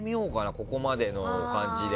ここまでの感じで。